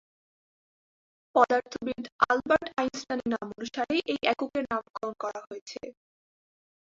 পদার্থবিদ Albert আইনস্টাইনের নামানুসারে এই এককের নামকরণ করা হয়েছে।